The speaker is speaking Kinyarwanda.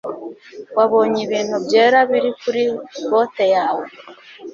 Wabonye ibintu byera biri kuri bote yawe.